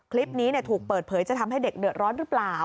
คลิปนี้ถูกเปิดเผยจะทำให้เด็กเดือดร้อนหรือเปล่า